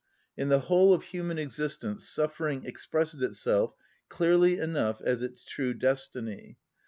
In the whole of human existence suffering expresses itself clearly enough as its true destiny.